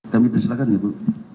kami persilakan ya bu